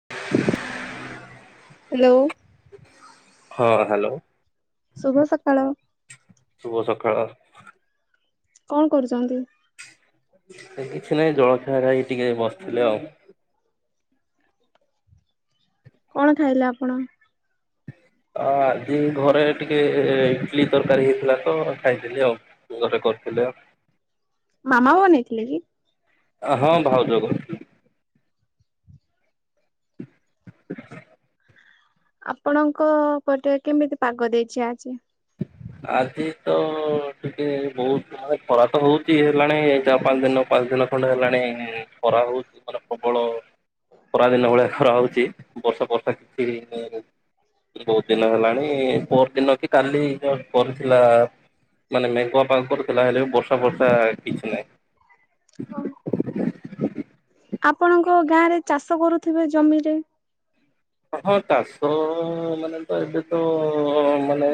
[inaudible] Hello. ହଁ hello. ଶୁଭ ସକାଳ। ଶୁଭ ସଖାଳ। କଣ କରୁଚନ୍ତି? ଏ କିଛି ନାହିଁ ଜଳଖିଆ ରା ଏଇ ଟିକେ ବସିଥିଲେ ଆଉ। କଣ ଠାଇଲେ ଆପଣ? ଆଦି ଘରେ ଟିକେ ଇଟଲି ତରକାରୀ ହେଇଥିଲା ତ ଖାଇଦେଲି ଆଉ। ତୁମ ଡେ କରିଥିଲେ ମାମା ବନେଇଥିଲେ କି? ଆ ହଁ ଭାଉଜ କରିଥି [inaudible] ଆପଣଙ୍କ ପଟେ କେମିତି ପାଗ ଦେଇଚି ଆଜି? ଆଜି ତ ଟିକେ ବହୁତ ଆଉ ଖଡାତ ହଉଚି ହେଲାଣି ଚା ପାଞ୍ଚ ଦିନ ପାଞ୍ଚ ଦିନ ଖଣ୍ଡେ ହେଲାଣି ଖରା ହଉ ମାନେ ପ୍ରବଳ ଖରାଦିନ ଭଳିଆ ଖରା ହୋଉଛି ବର୍ଷା ଫର୍ଷା କିଛି ବହୁତ ଦିନ ହେଲାଣି ପଅର ଦିନ କି କାଲି ଯ କରୁଥିଲା ମାନେ ମେଘୁଆ ପାଗ କରିଥିଲା ହେଲେ ବର୍ଷା ଫର୍ଷା କିଛି ନାହିଁ। ଆପଣଙ୍କ ଗାଁ ରେ ଚାଷ କରୁଥିବେ ଜମିରେ? ହଁ ଚାଷ ମାନେ ତ ଏବେ ତ ମାନେ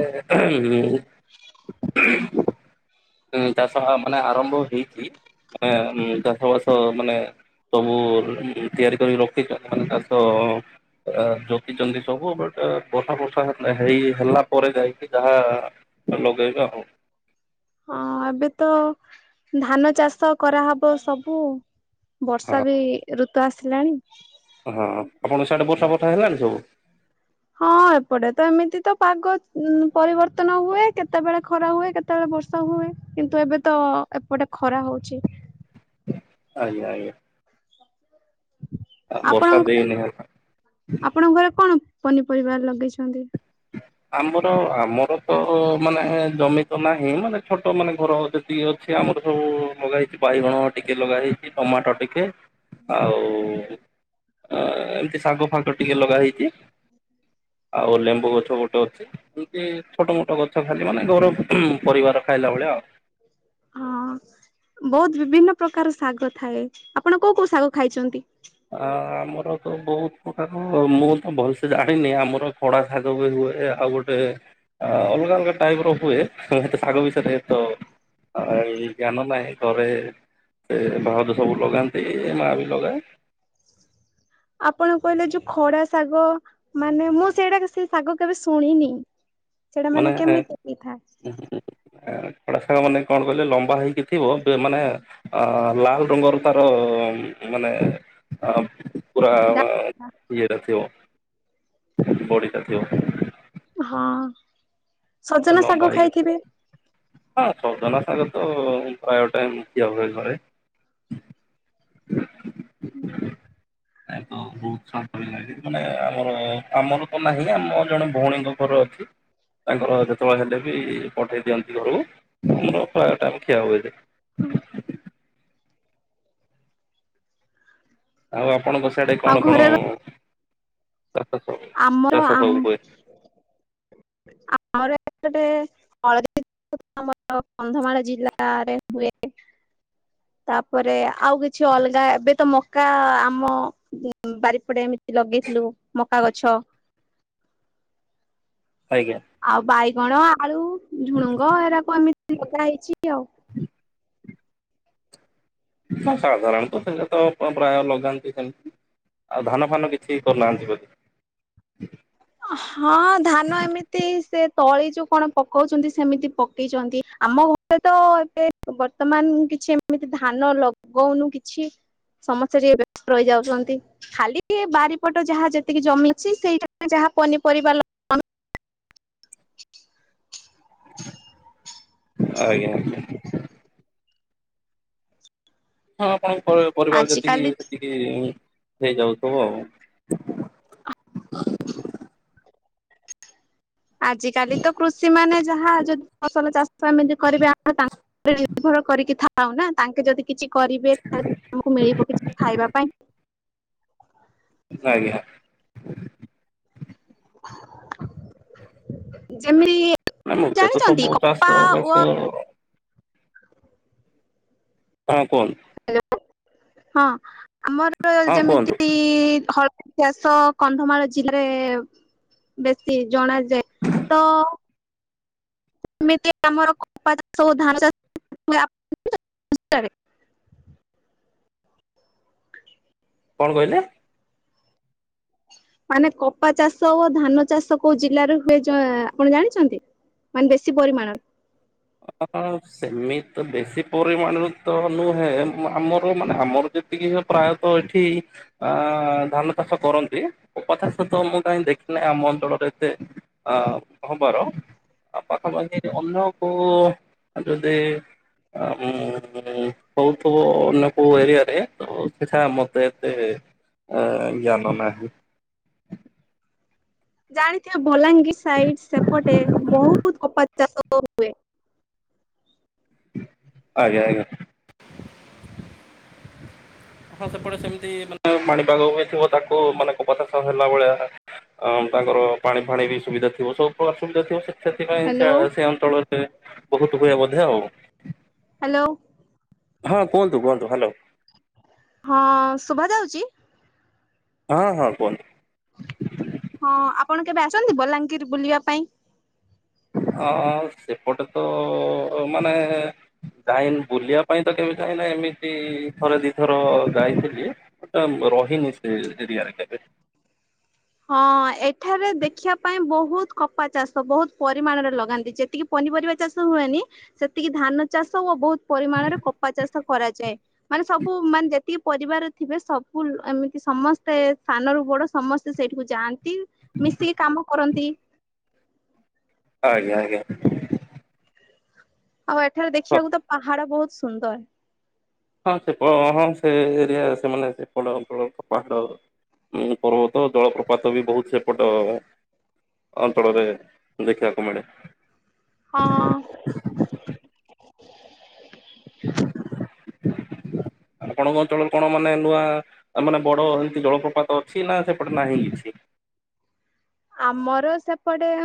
[inaudible] ହୁ ଚାଷ ମାନେ ଆରମ୍ଭ ହେଇଛି ମାନେ ଚାଷ ବାସ ମାନେ ସବୁ ତିଆରି କରିକି ରଖି ମାନେ ଚାଷ ଯୋଟିଛନ୍ତି ସବୁ ବଟ ବର୍ଷା ଫର୍ଶା ହେ ହେଇ ହେଲା ପରେ ଯାଇକି ଯାହା ଲଗେଇବେ ଆଉ। ହଁ ଏବେ ତ ଧାନ ଚାଷ କରାହବ ସବୁ। ବର୍ଷା ହଁ ବି ଋତୁ ଆସିଲାଣି ହଁ ଆପଣଙ୍କ ସେଆଡେ ବର୍ଷା ଫର୍ଶା ହେଲାଣି ସବୁ? ହଁ ଏପଟେ ତ ଏମିତି ତ ପାଗ ପରିବର୍ତ୍ତନ ହୁଏ। କେତେବେଳେ ଖରା ହୁଏ କେତେ ସେତେବେଳେ ବର୍ଷା ହୁଏ କିନ୍ତୁ ଏବେ ତ ଏପଟେ ଖରା ହଉଛି। ଆଜ୍ଞା ଆଞା। ବର୍ଷା ଆପଣଙ୍କ ଦେଇନି ହେଲା ଆପଣ ଘରେ କଣ ପନିପରିବା ଲଗେଇଛନ୍ତି? ଆମର ଆମର ତ ମାନେ ଜମି ତ ନାହିଁ ମାନେ ଛୋଟ ମାନେ ଘର ଟିକେ ଅଛି ଆମର ସବୁ ଲଗା ହେଇଛି ବାଇଗଣ ଟିକେ ଲଗା ହେଇଛି ଟମାଟୋ ଟିକେ ଆଉ ଏମିତି ଶାଗ ଫାଖ ଟିକେ ଲଗା ହେଇଛି। ଆଉ ଲେମ୍ବୁ। ଗଛ ଗୋଟେ ଅଛି ଏମତି ଛୋଟ ମୋଟ ଗଛ ଖାଲି ମାନେ ଘର ପରିବାର ଖାଇଲା ଭଳିଆ ଆଉ। ହଁ। ବହୁତ ବିଭିନ୍ନ ପ୍ରକାର ଶାଗ ଥାଏ। ଆପଣ କୋଉ କୋଉ ଶାଗ ଖାଇଛନ୍ତି? ଆ ଆମର ତ ବହୁତ ପ୍ରକାର, ମୁଁ ତ ଭଲସେ ଜାଣିନି। ଆମର ଖଡ଼ା ଶାଗ ବି ହୁଏ। ଆଉ ଗୋଟେ ଏ ଅଲଗା ଅଲଗା ଟାଇପ ର ହୁଏ। ହେତ ଶାଗ ବିଷୟରେ ତ ଆଇ ଜ୍ଞାନ ନାହି। ଘରେ ଏ ଭାଉଜ ସବୁ ଲଗାନ୍ତି। ଏ ମା ବି ଲଗାଏ। ଆପଣ କହିଲେ ଯୋଉ ଖଡା ଶାଗ, ମାନେ ମୁଁ ସେଇଟା ସେ ଶାଗ କେବେ ଶୁଣିନି। ସେଇଟା ମାନେ କେମିତି ହେଇଥାଏ? ଖଡ଼ା ଶାଗ ମାନେ କଣ କହିଲେ ଲମ୍ବା ହେଇକି ଥିବ। ମାନେ ଅ ଲାଲ ରଙ୍ଗର ତାର ମାନେ ଅ ପୁରା ଇଏଟା ଥିବ ବଡ଼ିଟାଥିବ। ହଁ। ଆଉ ସଜନା ଶାଗ ଲମ୍ବାଲିକା ଖାଇଥିବେ ଟିକେ ହଁ ସଜନା ସାଗ ତ ପ୍ରାୟ ଟାଇମ୍ ଖିଆ ହୁଏ ଘରେ। ନ ତ ବହୁତ ଲାଗେ ମାନେ ଆମର ଆମର ତ ନାହିଁ ନା ମୋର ଜଣେ ଭଉଣୀଙ୍କ ଘର ଅଛି। ତାଙ୍କର ଯେତେବେଳେ ହେଲେ ବି ପଠେଇ ଦିଅନ୍ତି ଘରକୁ। ଆମର ପ୍ରାୟ ଟାଇମ ଖିଆ ହୁଏଯେ। ହଁ। ଆଉ ଆପଣଙ୍କ ସିଆଡେ ଆଉ କଣ କଣ ଘରେ ଚାଷ ସବୁ ଆମର ଚାଷ ସବୁ ହୁଏ? ଆମର ଏପଟେ ହଳଦୀ ମର କନ୍ଧମାଳ ଜିଲ୍ଲାରେ ହୁଏ। ତାପରେ ଆଉ କିଛି ଅଲଗା। ଏବେ ତ ମକା ଆମ ବାରିପଡେ ଏମତି ଲଗେଇଥିଲୁ ମକା ଗଛ। ଆଜ୍ଞା। ଆଉ ବାଇଗଣ ଆଳୁ ଝୁଣୁଙ୍ଗ ଏଡାକୁ ଏମିତି ଲଗା ହେଇଛି ଆଉ। ନା ସାଧାରଣତଃ ସେଟ ତ ପ୍ରାୟ ଲଗାନ୍ତି ସେମିତି। ଆଉ ଧାନ ଫାନ କିଛି କରୁନାହାନ୍ତି ବୋଲି। ହଁ ଧାନ ଏମିତି ସେ ତଳି ଯୋଉ କଣ ପକୋଉଚନ୍ତି ସେମିତି ପକେଇଚନ୍ତି। ଆମ [unintelligible] ତ ଏବେ ବର୍ତ୍ତମାନ କିଛି ଏମିତି ଧାନ ଲଗଉନୁ କିଛି ସମସ୍ତେ ଟିକେ ବ୍ୟସ୍ତ ରହିଯାଉଚନ୍ତି। ଖାଲି ବାରିପଟ ଯାହା ଯେତିକି ଜମିଅଛି ସେଇଟା ଯାହା ପନିପରିବା ଲ ଆଜ୍ଞା ଆଜ୍ଞା। ହଁ ଆପଣଙ୍କ ପରିବାର ଯେତିକି ଆଜିକାଲି ସେତିକି ହେଇଯାଉଥିବ ଆଉ। ଆଜ କାଲି ତ କୃଷି ମାନେ ଯାହା ଯୁ ଫସଲ ଚାଷ ଏମି କରିବେ ଆମେ ତାଙ୍କରେ ନିର୍ଭର କରିକି ଥାଉ ନା ତାଙ୍କେ ଯଦି କିଛି କରିବେ ତାଲେ ଆମକୁ ମିଳିବ କିଛି ଖାଇବା ପାଇଁ। ଆଜ୍ଞା। ଯେମିତି ନା ମୁଖ୍ୟତଃ ଜାଣିଚନ୍ତି ସବୁ ଚାଷ କପା ବାସ ଓ ହଁ କୁହନ୍ତୁ। ହ୍ୟାଲୋ? ହଁ ଆମର ହଁ କୁହନ୍ତୁ ଯେମିତି କି ହଳଦୀ ଚାଷ କନ୍ଧମାଳ ଜିଲ୍ଲାରେ ବେଶୀ ଜଣାଯାଏ। ତ ଏମିତି ଆମର କପା ଚାଷ ହଉ ଧାନ ଚାଷ ହୁଏ ଆମ ଜିଲ୍ଲାରେ। କଣ କହିଲେ? ମାନେ କପା ଚାଷ ଓ ଧାନ ଚାଷ କୋଉ ଜିଲ୍ଲାରେ ହୁଏ ଜ ଆପଣ ଜାଣିଚନ୍ତି? ମାନେ ବେଶୀ ପରିମାଣର? ହ ସେମିତି ବେଶୀ ପରିମାଣରେ ତ ନୁହେଁ। ଆମର ମାନେ ଆମର ଯଦି ଏତିକି ପ୍ରାୟତଃ ଏଠି ଅ ଧାନ ଚାଷ କରନ୍ତି କପା ଚାଷ ତ ମୁଁ କାହିଁ ଦେଖି ନାହିଁ ଆମ ଅଞ୍ଚଳରେ ଏତେ ଅ ହବାର ର ପାଖାପାଖି ଅନ୍ୟ [unintelligible] ଅ ଉଁ ହୋଉଥୁବ ଆଲା କୋଉ ଏରିଆ ରେ [unintelligible] ଆମର ତ ଏତେ ଅ ଜ୍ଞାନ ନାହିଁ। ଜାଣିଥିବେ ବଲାଙ୍ଗୀର ସାଇଟ ସେପଟେ ବହୁତ କପା ଚାଷ ହୁଏ। ଆଜ୍ଞ ଆଜ୍ଞା। ହଁ ସେପଟେ ସେମିତି ମାନେ ମାଣିପାଗ ହୋଇଥିବ ତାକୁ ମାନେ କପାଚାସ ହେଲା ଭଳିଆ। ଅ ତାଙ୍କର ପାଣି ଫାଣି ବି ସୁବିଧା ଥିବ ସବୁ ଅସୁବିଧା ଥିବ ସେଥିପାଇଁ ହ୍ୟାଲୋ ସେ ଅଞ୍ଚଳରେ ବହୁତ ହୁଏ ବୋଧେ ଆଉ। ହ୍ୟାଲୋ। ହଁ କୁହନ୍ତୁ କୁହନ୍ତୁ ହ୍ୟାଲୋ। ହଁ ଶୁଭା ଯାଉଚି? ହଁ ହଁ କୁହନ୍ତୁ। ହଁ ଆପଣ କେବେ ଆସନ୍ତି ବଲାଙ୍ଗୀର ବୁଲିବା ପାଇଁ? ଅ ସେପଟେ ତ ମାନେ [unintelligible] ବୁଲିବା ପାଇଁ ତ କେମତି ଯାଇନା ଏମିତି ଥରେ ଦିଥର ଯାଇଥିଲି [unintelligible] ରହିନୀ ସେରିିଆରେ କେବେ। ହଁ ଏଠାରେ ଦେଖିବା ପାଇଁ ବହୁତ କପା ଚାଷ ବହୁତ ପରିମାଣରେ ଲଗାନ୍ତି। ଯେତିକି ପନିପରିବା ଚାଷ ହୁଏନି ସେତିକି ଧାନ ଚାଷ ଓ ବହୁତ ପରିମାଣରେ କପା ଚାଷ କରାଯାଏ। ମାନେ ସବୁ ମାନେ ଯେତିକି ପରିବାର ଥିବେ ସବୁ ଏମିତି ସମସ୍ତେ ସ। ନରୁ ବଡ ସମସ୍ତେ ସେ ସେଇଠିକୁ ଯାଆନ୍ତି ମିଶିକି କାମ କରନ୍ତି। ଆଜ୍ଞା ଆଜ୍ଞା। ଆଉ ଏଠାରେ ଦେଖିବାକୁ ତ ପାହାଡ ବହୁତ ସୁନ୍ଦର। ହଁ ସେ ହଁ ସେ ଏରିଆ ସେମାନେ ସେପଡ ଅଞ୍ଚଳ ପାହାଡ ଉଁ ପର୍ବତ ଜଳପ୍ରପାତ ବି ବହୁତ ସେପଟ। ଅଞ୍ଚଳରେ ଦେଖିବାକୁ ମିଳେ। ହଁ। ଆପଣଙ୍କ ଅଞ୍ଚଳରେ କଣ ମାନେ ନୂଆ ଆ ମାନେ ବଡ ଏମିତି ଜଳପ୍ରପାତ ଅଛି ନା ସେପଟେ ନାହିଁ କିଛି? ଆମର ସେପଟେ-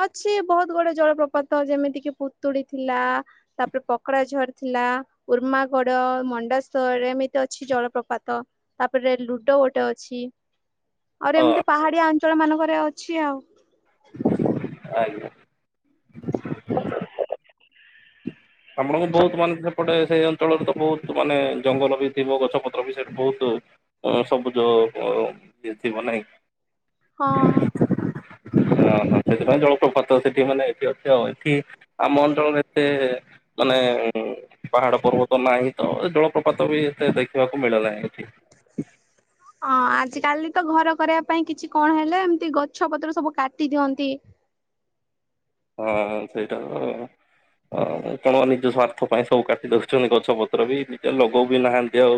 ଅଛି ବହୁତ ଗୁଡେ ଜଳପ୍ରପାତ ଯେମିତି କିି ପୁତୁଡି ଥିଲା ତାପରେ ପକଡା ଝର ଥିଲା ଉର୍ମାଗଡ, ମଣ୍ଡାଶରରେ ଏମିତି ଅଛି ଜଳପ୍ରପାତ। ତାପରେ ଲୁଡୋ ଗୋଟେ ଅଛି ଆହୁରି ହଁ ଏମିତି ପାହାଡିଆ ଅଞ୍ଚଳମାନଙ୍କରେ ଅଛି ଆଉ। ଆଜ୍ଞା। ତମର ବି ବହୁତ ମାନେ ସେପଟେ ସେଇ ଅନ୍- ଅଞ୍ଚଳରେ ତ ବହୁତ ମାନେ ଜଙ୍ଗଲ ବି ଥିବ ଗଛ ପତ୍ର ବି ସେଠି ବହୁତ ଅ ସବୁଜ ଅ ଇଏ ଥିବ ନାହିଁ? ହଁ ହଁ। ହଁ ହଁ ସେଥିପାଇଁ ଜଳପ୍ରପାତ ସେଠି ମାନେ ଏଠି ଅଛି ଆଉ ଏଠି ଆମ ଅଞ୍ଚଳରେ ଏତେ ମାନେ ପାହାଡ ପର୍ବତ ନାହିଁ ତ ଜଳପ୍ରପାତ ବି ଏତେ ଦେଖିବାକୁ ମିଳେ ନାହିଁ ଏଠି। ହଁ ଆଜକାଲି ତ ଘର କରିବା ପାଇଁ କିଛି କଣ ହେଲେ ଏମତି ଗଛ ପତ୍ର ସବୁ କାଟି ଦିଅନ୍ତି। ହଁ ସେ ତ ହଁ ଲୋକମାନେ ନିଜ ସ୍ୱାର୍ଥ ପାଇଁ ସବୁ କାଟି ଦଉଛନ୍ତି ଗଛ ପତ୍ର ବି ନିଜେ ଲଗଉ ବି ନାହାନ୍ତି ଆଉ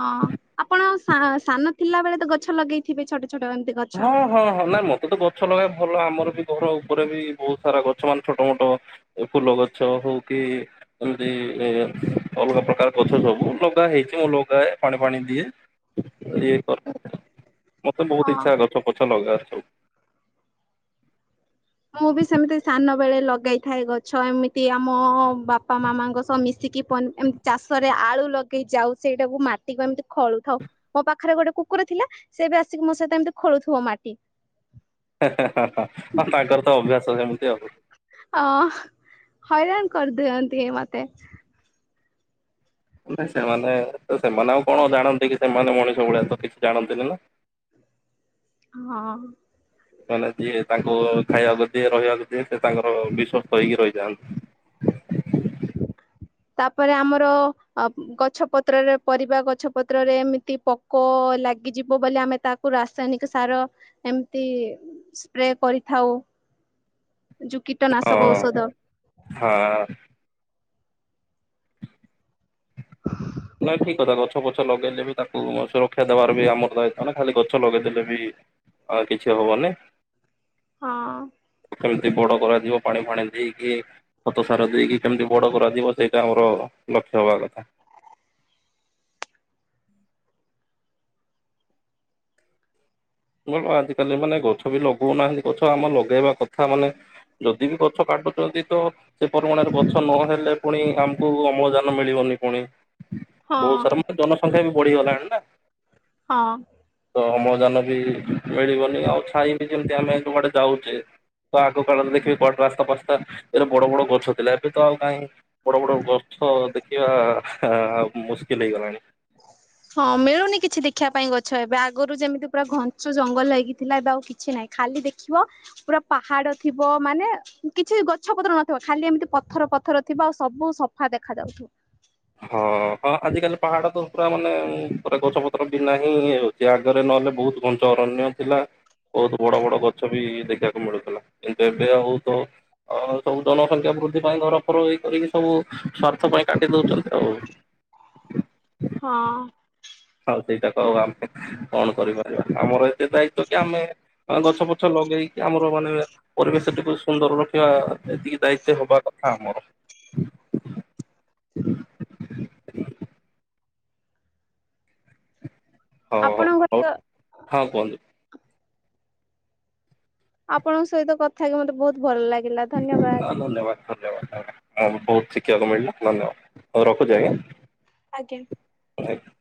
ହଁ ଆପଣ ସା ସାନ ଥିଲା ବେଳେ ତ ଗଛ ଲଗେଇଥିବେ ଛୋଟ ଛୋଟ ଏମିତି ଗଛ ହଁ। ହଁ ହଁ ନାଇଁ ମତେ ତ ଗଛ ଲଗେଇବାକୁ ଭଲ ଆମର ବି ଘର ଉପରେ ବି ବହୁତ ସାରା ଗଛ ମାନେ ଛୋଟ ମୋଟ ଫୁଲ ଗଛ ହଉ କି ଏମିତି [unintelligible] ଅଲଗା ପ୍ରକାର ଗଛ ସବୁ ଲଗା ହେଇଛି ମୁଁ ଲଗାଏ ପାଣି ଫାଣି ଦିଏ ଇଏ କରେ ମତେ ବହୁତ ହଁ ଇଚ୍ଛା ଗଛ ପଛ ଲଗେଇଆରେ ସବୁ। ମୁଁ ବି ସେମିତି ସାନ ବେଳେ ଲଗାଇଥାଏ ଗଛ ଏମିତି ଆମ ବାପା ମାମାଙ୍କ ସହ ମିଶିକି ପନ୍ ଏମତି ଚାଷରେ ଆଳୁ ଲଗେଇ ଯାଉଛି ସେଇଟାକୁ ମାଟିକୁ ଏମିତି ଖଳୁଥାଉ ମୋ ପାଖରେ ଗୋଟେ କୁକୁର ଥିଲା ସେ ବି ଆସିକି ମୋ ସହିତ ଏମିତି ଖୋଳୁଥିବ ମାଟି। ହେ ହେ ହା ହା ହାଁ ତାଙ୍କର ତ ଅଭ୍ୟାସ ଯେମିତି ଆଉ ହଁ ହଇରାଣ କରିଦିଅନ୍ତି ଏଇ ମତେ। ନାଇଁ ସେମାନେ ତ ସେମାନେ ଆଉ କଣ ଜାଣନ୍ତି କି ସେମାନେ ମଣିଷ ଭଳିଆ ତ କିଛି ଜାଣନ୍ତିନି ନା! ହଁ ହଁ। କାହିଁକି ନା ଯିଏ ତାଙ୍କୁ ଖାଇବାକୁ ଦିଏ ରହିବାକୁ ଦିଏ ସେ ତାଙ୍କର ବିଶ୍ଵସ୍ତ ହେଇକି ରହିଯାଆନ୍ତି। ହ ତାପରେ ଆମର ଅପ ଗଛ ପତ୍ରରେ ପରିବା ଗଛ ପତ୍ରରେ ଏମିତି ପକ କୋ ଲାଗିଯିବ ବୋଲି ଆମେ ତାକୁ ରାସାୟନିକ ସାର ଏମିତି ସ୍ପ୍ରେ କରିଥାଉ ଯୋଉ କୀଟନାଶକ ହଁ ଔଷଧ ହଁ। ହଁ ନାଇଁ ଠିକ କଥା ଗଛ ପଛ ଲଗେଇଲେ ବି ତାକୁ ସୁରକ୍ଷା ଦେବାର ବି ଆମର ଦାୟିତ୍ୱ ନା ଖାଲି ଗଛ ଲଗେଇଦେଲେ ବି ଆଉ କିଛି ହବାର ନାଇଁ। ହଁ। କେମତି ବଡ କରାଯିବ ପାଣି ଫାଣି ଦେଇକି ଖତ ତ ସାର ଦେଇକି କେମିତି ବଡ କରାଯିବ ସେଇଟା ଆମର ଲକ୍ଷ୍ୟ ହବା କଥା। ଏବଂ ଆଜିକାଲି ମାନେ ଗଛ ବି ଲଗଉନାହାନ୍ତି ଗଛ ଆମ ଲଗେଇବା କଥା, ମାନେ- ଯଦି ବି ଗଛ କାଟୁଛନ୍ତି ତ ସେ ପରିମାଣରେ ଗଛ ନହେଲେ ପୁଣି ଆମକୁ ଅମ୍ଳଜାନ ମିଳିବନି ପୁଣି ହଁ ବହୁତ ସାରା ମାନେ ଜନସଂଖ୍ୟା ବି ବଢିଗଲାଣି ନାଁ! ହଁ। ତ ଅମ୍ଳଜାନ ବି ମିଳିବନି ଆଉ ଛାଇ ବି ଯେମତି ଆମେ ଯୁଆଡେ ଯାଉଛେ ତ ଆଗ କାଳରେ ଦେଖିବେ କଡ ରାସ୍ତା ଫାସ୍ତା ଏଡେ ବଡ ବଡ ଗଛ ଥିଲା ଏବେ ତ ଆଉ ନାଇଁ? ବଡ ବଡ ଗଛ ଦେଖିବା ଆ ମୁସ୍କିଲ ହେଇଗଲାଣି। ହଁ ମିଳୁନି କିଛି ଦେଖିବା ପାଇଁ ଗଛ ଏବେ ଆଗରୁ ଯେମିତି ପୁରା ଘଞ୍ଚୁ ଜଙ୍ଗଲ ହେଇକି ଥିଲା ଏବେ ଆଉ କିଛି ନାହିଁ। ଖାଲି ଦେଖିବ ପୁରା ପାହାଡ ଥିବ ମାନେ କିଛି ଗଛ ପତ୍ର ନଥିବ ଖାଲି ଏମିତି ପଥର ପଥର ଥିବ ଆଉ ସବୁ ସଫା ଦେଖା ଯାଉଥିବ। ହଁ ହଁ ଆଜିକାଲି ପାହାଡ ତ ପୁରା ମାନେ ପୁରା ଗଛ ପତ୍ର ବିନା ହିଁ ସେ ଆଗରେ ନହେଲେ ବହୁତ ଘଞ୍ଚ ଅରଣ୍ୟ ଥିଲା। ବହୁତ ବଡ ବଡ ଗଛ ବି ଦେଖିବାକୁ ମିଳୁଥିଲା କିନ୍ତୁ ଏବେ ଆଉ ତ ଅ, ସବୁ ଜନସଂଖ୍ୟା ବୃଦ୍ଧି ପାଇଁ ଘର ଫର ଏଇ କରିକି ସବୁ ସ୍ଵାର୍ଥ ପାଇଁ କାଟି ଦଉଛନ୍ତି ଆଉ। ହଁ ଆଉ ସେଇଟା କ ଆମେ କଣ କରିପାରିବା ଆମର ଏତେ ଦାୟିତ୍ଵ କି ଆମେ ହଁ ଗଛ ପଛ ଲଗେଇକି ଆମର ମାନେ ପରିବେଶଟିକୁ ସୁନ୍ଦର ରଖିବା ଏତିକି ଦାୟିତ୍ଵ ହବା କଥା ଆମର। ହଉ ହଉ ଆପଣଙ୍କ ହଉ ହଁ କୁହନ୍ତୁ। ଆପଣଙ୍କ ସହିତ କଥା ହଇକି ମତେ ବହୁତ ଭଲ ଲାଗିଲା ଧନ୍ୟବାଦ। ହଁ ଧନ୍ୟବାଦ ଧନ୍ୟବାଦ ହଁ ବହୁତ ଶିଖିବାକୁ ମିଳିଲା ଧନ୍ୟବାଦ ରଖୁଛି ଆଜ୍ଞା। ଆଜ୍ଞା [unintelligible]